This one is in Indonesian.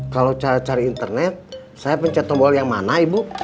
kalau cari internet saya pencet tombol yang mana ibu